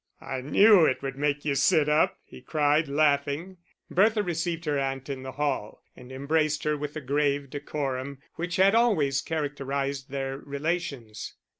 "I knew it would make you sit up," he cried, laughing. Bertha received her aunt in the hall and embraced her with the grave decorum which had always characterised their relations.